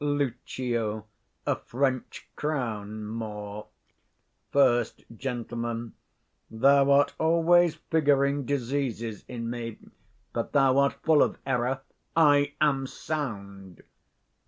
Lucio. A French crown more. 50 First Gent. Thou art always figuring diseases in me; but thou art full of error; I am sound.